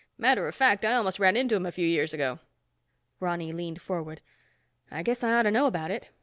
"Matter of fact, I almost ran into him a few years ago." Ronny leaned forward. "I guess I ought to know about it.